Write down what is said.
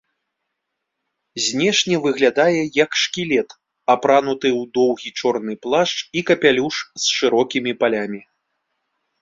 Знешне выглядае як шкілет, апрануты ў доўгі чорны плашч і капялюш з шырокімі палямі.